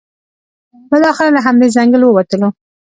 بالاخره له همدې ځنګل ووتلو.